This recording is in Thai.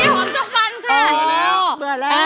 ไม่ขอหอมกรกมันค่ะ